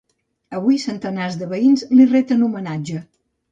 Avui centenars de veïns li reten homenatge.